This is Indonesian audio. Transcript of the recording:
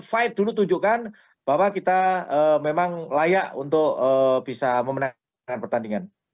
fight dulu tunjukkan bahwa kita memang layak untuk bisa memenangkan pertandingan